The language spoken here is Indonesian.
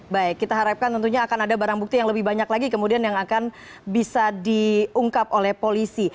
baik kita harapkan tentunya akan ada barang bukti yang lebih banyak lagi kemudian yang akan bisa diungkap oleh polisi